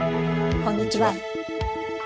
こんにちは。